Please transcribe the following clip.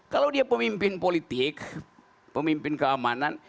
kalau dia pemimpin politik pemimpin keamanan